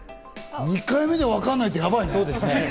２回目でわかんないってやばいね。